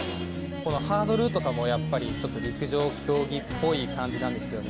このハードルとかもやっぱり、ちょっと陸上競技っぽい感じなんですよね。